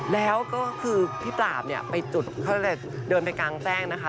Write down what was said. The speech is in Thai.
แล้วก็คือพี่ปราบเนี่ยไปจุดเขาจะเดินไปกลางแจ้งนะคะ